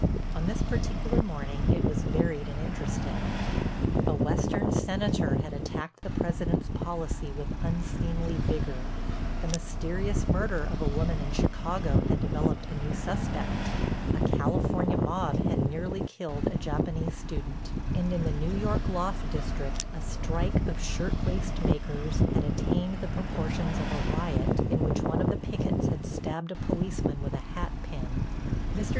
On this particular morning it was varied and interesting: A Western senator had attacked the President's policy with unseemly vigor; the mysterious murder of a woman in Chicago had developed a new suspect; a California mob had nearly killed a Japanese student; and in the New York loft district a strike of shirtwaist makers had attained the proportions of a riot in which one of the pickets had stabbed a policeman with a hatpin. Mr.